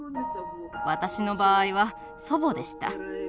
私の場合は祖母でした。